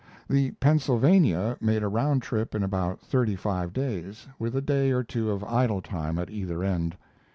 The Pennsylvania made a round trip in about thirty five days, with a day or two of idle time at either end.